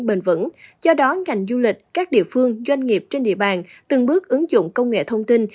bền vững do đó ngành du lịch các địa phương doanh nghiệp trên địa bàn từng bước ứng dụng công nghệ thông tin